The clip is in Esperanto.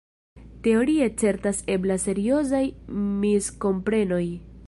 Teorie certas eblas seriozaj miskomprenoj.